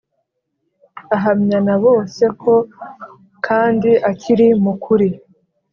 Ahamya na bose ko kandi akiri mukuri